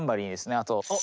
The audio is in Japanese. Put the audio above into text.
あと。